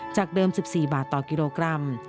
จากเดิม๑๔บาทต่อกิโลกรัม